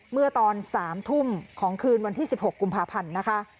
เมื่อตอน๓ทุ่มของคืนวันที่๑๖กุมภาพันธ์นะคะ